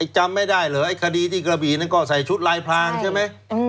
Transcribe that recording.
จำไม่ได้เหรอไอ้คดีที่กระบีนั้นก็ใส่ชุดลายพรางใช่ไหม